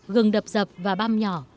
gừng đập dập và băm nhỏ